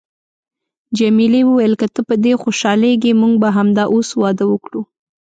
جميلې وويل: که ته په دې خوشحالیږې، موږ به همدا اوس واده وکړو.